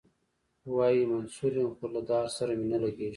وايي منصور یم خو له دار سره مي نه لګیږي.